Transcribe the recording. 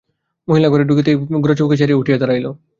মহিম ঘরে ঢুকিতেই গোরা চৌকি ছাড়িয়া উঠিয়া দাঁড়াইল।